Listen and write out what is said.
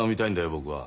僕は。